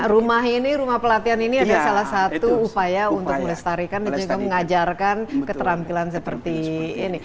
rumah ini rumah pelatihan ini ada salah satu upaya untuk melestarikan dan juga mengajarkan keterampilan seperti ini